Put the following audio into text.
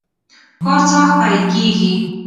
کار څه وخت پیل کیږي؟